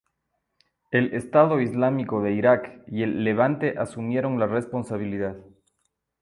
El Estado Islámico de Irak y el Levante asumieron la responsabilidad.